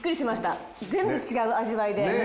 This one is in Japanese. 全部違う味わいで。